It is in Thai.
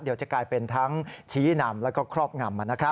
เดี๋ยวจะกลายเป็นทั้งชี้นำแล้วก็ครอบงำ